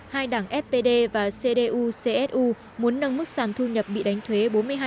hai đảng fpd và cdu csu muốn nâng mức sản thu nhập bị đánh thuế bốn mươi hai